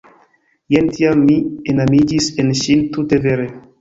Jen tiam mi enamiĝis en ŝin tute vere.